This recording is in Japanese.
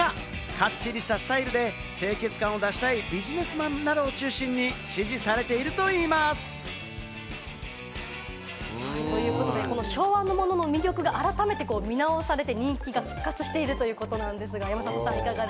かっちりしたスタイルで清潔感を出したいビジネスマンなどを中心に支持されているといいます。ということで、この昭和の物の魅力が改めて今、見直されて人気が復活しているということです、山里さん。